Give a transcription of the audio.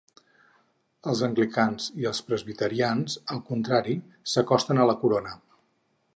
Els anglicans i els presbiterians, al contrari, s'acosten a la Corona.